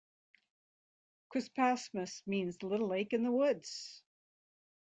Quispamsis means little lake in the woods.